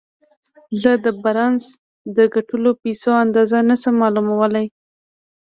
زه د بارنس د ګټلو پيسو اندازه نه شم معلومولای.